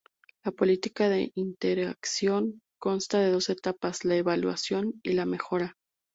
La política de iteración consta de dos etapas: "la evaluación" y "mejora".